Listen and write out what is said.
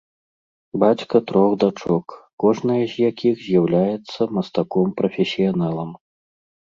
Бацька трох дачок, кожная з якіх з'яўляецца мастаком-прафесіяналам.